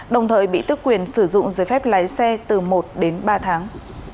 đồng thời bị tước quyền sử dụng giấy phép lấy xe từ một đến ba tháng